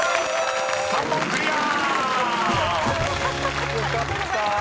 ３問クリア！］